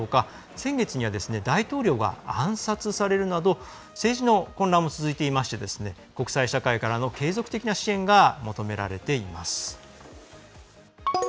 先月には大統領が暗殺されるなど政治の混乱も続いていまして国際社会からの継続的な支援が求められています。